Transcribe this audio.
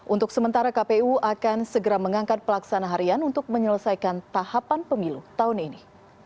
untuk sementara kpu akan segera mengangkat pelaksana harian untuk menyelesaikan tahapan pemilu tahun ini